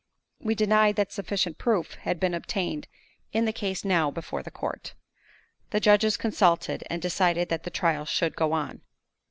We denied that sufficient proof had been obtained in the case now before the court. The judges consulted, and decided that the trial should go on.